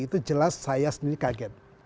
itu jelas saya sendiri kaget